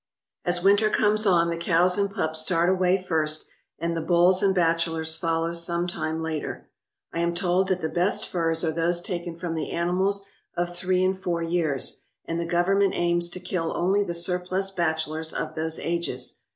As winter comes on the cows and pups start away first and the bulls and bachelors follow %ome time later. I am told that the best furs are those taken from the animals of three and four years, and the Government aims to kill only the surplus bachelors of those ages.